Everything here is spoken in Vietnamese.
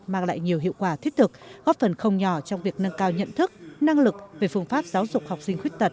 mang lại nhiều hiệu quả thiết thực góp phần không nhỏ trong việc nâng cao nhận thức năng lực về phương pháp giáo dục học sinh khuyết tật